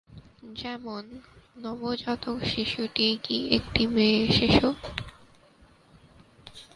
যেমন "নবজাতক শিশুটি কি একটি মেয়ে শিশু?"